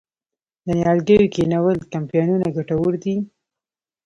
د نیالګیو کینول کمپاینونه ګټور دي؟